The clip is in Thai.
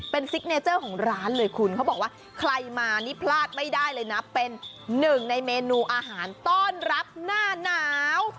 เป็นซิกเนเจอร์ของร้านเลยคุณเขาบอกว่าใครมานี่พลาดไม่ได้เลยนะเป็นหนึ่งในเมนูอาหารต้อนรับหน้าหนาว